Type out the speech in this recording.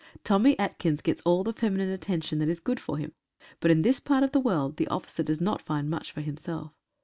Tommy Atkins gets all the feminine attention that is good for him, but in this part of the world the officer does not find much for himself.